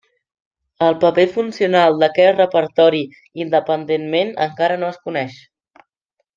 El paper funcional d'aquest repertori independentment encara no es coneix.